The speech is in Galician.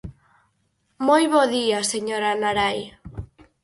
Moi bo día, señora Narai.